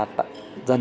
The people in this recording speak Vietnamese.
dần dần cải thiện